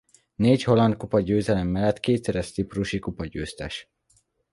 Négy holland kupa győzelem mellett kétszeres ciprusi kupagyőztes.